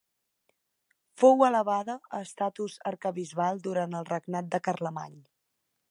Fou elevada a estatus arquebisbal durant el regnat de Carlemany.